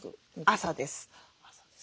朝です。